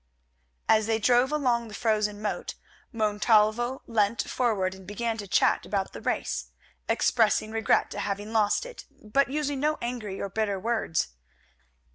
As they drove along the frozen moat Montalvo leant forward and began to chat about the race, expressing regret at having lost it, but using no angry or bitter words.